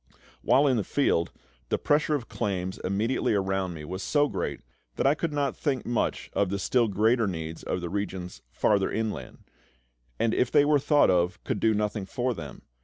While in the field, the pressure of claims immediately around me was so great that I could not think much of the still greater needs of the regions farther inland; and, if they were thought of, could do nothing for them.